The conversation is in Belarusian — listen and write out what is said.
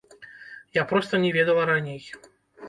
Я проста не ведала раней.